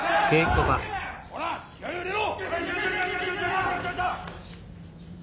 ほら気合いを入れろ！